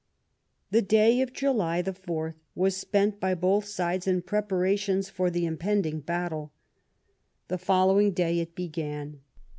The day of July the 4th was spent by both sides in preparations for the impending battle. The following day it began.